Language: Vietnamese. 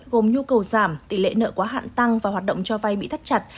gồm nhu cầu giảm tỷ lệ nợ quá hạn tăng và hoạt động cho vay bị thắt chặt